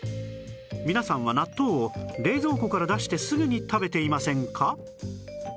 皆さんは納豆を冷蔵庫から出してすぐに食べていませんか？